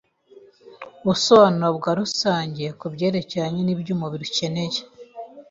ubusobanuro bwa rusange ku byerekeranye n’ibyo umubiri ukeneye